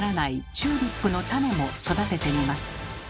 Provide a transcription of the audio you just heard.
チューリップの種も育ててみます。